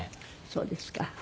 そうですか。